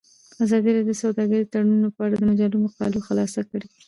ازادي راډیو د سوداګریز تړونونه په اړه د مجلو مقالو خلاصه کړې.